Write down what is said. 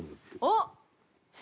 おっ！